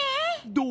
どう？